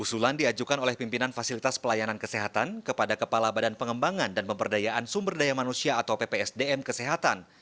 usulan diajukan oleh pimpinan fasilitas pelayanan kesehatan kepada kepala badan pengembangan dan pemberdayaan sumber daya manusia atau ppsdm kesehatan